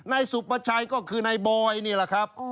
นายสุประชัยก็คือนายบอยนี่แหละครับ